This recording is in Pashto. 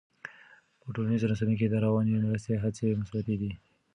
په ټولنیزو رسنیو کې د رواني مرستې هڅې مثبتې دي.